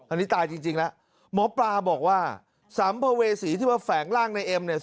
อันนี้ตายจริงแล้วหมอปลาบอกว่าสัมภเวษีที่มาแฝงร่างในเอ็มเนี่ย